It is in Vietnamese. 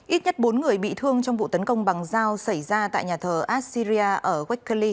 ít nhất bốn người bị thương trong vụ tấn công bằng dao xảy ra tại nhà thờ assyria ở weckli